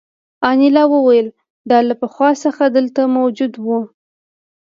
انیلا وویل دا له پخوا څخه دلته موجود وو